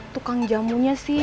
tukang jamunya sih